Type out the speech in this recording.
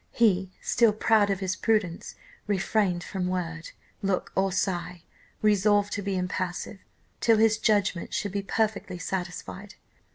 He, still proud of his prudence, refrained from word, look, or sigh, resolved to be impassive till his judgment should be perfectly satisfied.